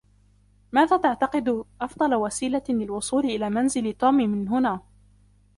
ماذا تعتقد أفضل وسيلة للوصول إلى منزل توم من هنا؟